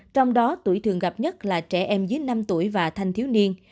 trong đó tuổi thường gặp nhất là trẻ em dưới năm tuổi và thanh thiếu niên